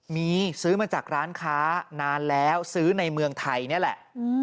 มีซื้อมาจากร้านค้านานแล้วซื้อในเมืองไทยนี่แหละ